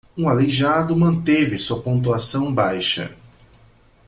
Um aleijado manteve sua pontuação baixa.